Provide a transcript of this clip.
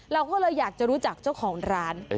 เราก็เลยอยากจะรู้จักเจ้าของร้าน